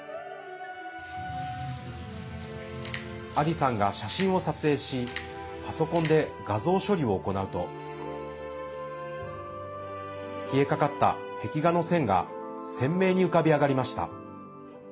アディさんが写真を撮影しパソコンで画像処理を行うと消えかかった壁画の線が鮮明に浮かび上がりました。